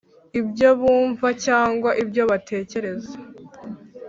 ibyo bumva, cyangwa ibyo batekereza.